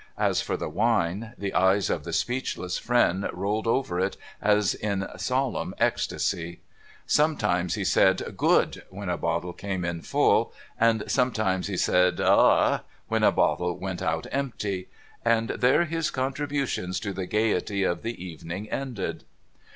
As for the wine, the eyes of the speechless friend rolled over it, as in solemn ecstasy. Some times he said ' Good !' when a bottle came in full ; and sometimes he said ' Ah !' when a bottle went out empty — and there his con tributions to the gaiety of the evening ended.